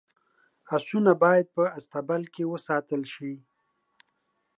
اسونه باید په اصطبل کي وساتل شي.